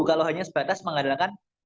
kalau hanya sebatas mengadakan